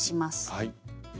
はい。